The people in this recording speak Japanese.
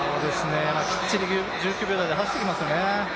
きっちり１９秒台で走ってきますね。